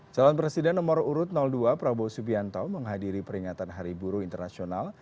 calon presiden nomor urut dua prabowo subianto menghadiri peringatan hari buruh internasional